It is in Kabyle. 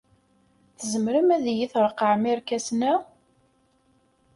Tzemrem ad iyi-treqqɛem irkasen-a?